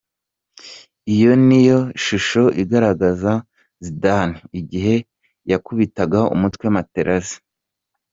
Iyi niyo shusho igaragaza Zidane igihe yakubitaga umutwe Materazi.